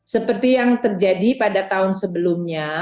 seperti yang terjadi pada tahun sebelumnya